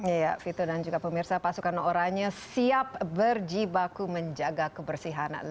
iya fitur dan juga pemirsa pasukan orangnya siap berjibaku menjaga kebersihan lingkungan